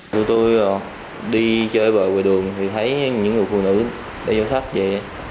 thì thấy những người phụ nữ đi vô tháp về